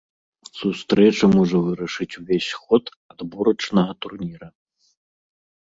Сустрэча можа вырашыць увесь ход адборачнага турніра.